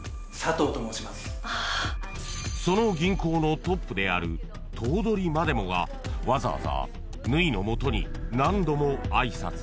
［その銀行のトップである頭取までもがわざわざ縫の元に何度も挨拶に訪れた］